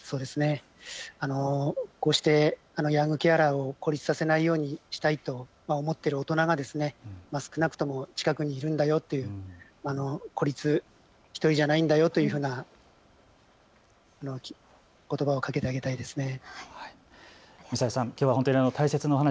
こうしてヤングケアラーを孤立させないようにしたいと思っている大人が少なくとも近くにいるんだよと１人じゃないんだよというようなことばをかけてあげたいですね。